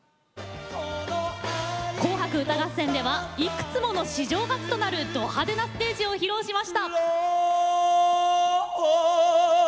「紅白歌合戦」ではいくつもの史上初となるド派手なステージを披露しました。